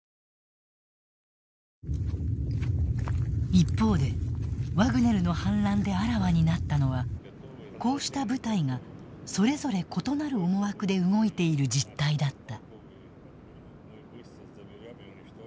一方で、ワグネルの反乱であらわになったのはこうした部隊がそれぞれ異なる思惑で動いている実態だった。